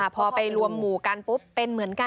พอไปรวมหมู่กันปุ๊บเป็นเหมือนกัน